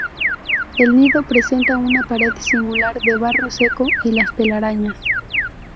El nido presenta una pared singular de barro seco y las telarañas.